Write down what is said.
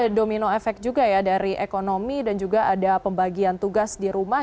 jadi ada domino efek juga ya dari ekonomi dan juga ada pembagian tugas di rumah